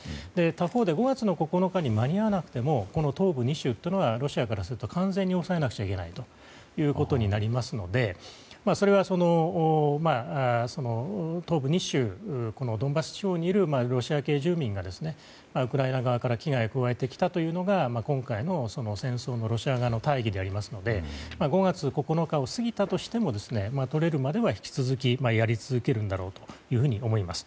他方で５月の９日に間に合わなくてもこの東部２州はロシアからすると完全に押さえなくちゃいけないことになりますのでそれは東部２州ドンバス地方にいるロシア系住民がウクライナ側から危害を加えてきたというのが今回の戦争のロシア側の大義でありますので５月９日を過ぎたとしてもとれるまでは引き続きやり続けるんだろうというふうに思います。